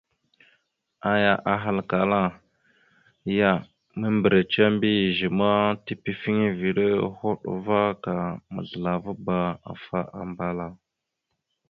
Aya ahalkala ya: « Membireca mbiyez ma, tepefiŋirava hoɗ ava ka mazləlavaba afa ambal a. ».